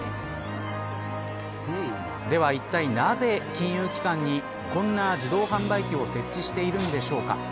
では、いったいなぜ金融機関にこんな自動販売機を設置しているんでしょうか。